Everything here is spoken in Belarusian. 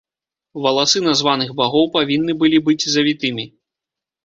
Валасы названых багоў павінны былі быць завітымі.